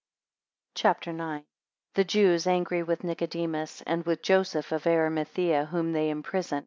CHAPTER IX. 1 The Jews angry with Nicodemus: 5 and with, Joseph of Arimathaea, 7 whom they imprison.